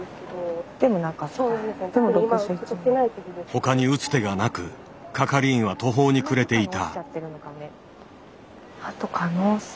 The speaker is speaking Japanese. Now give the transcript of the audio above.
他に打つ手がなく係員は途方に暮れていた。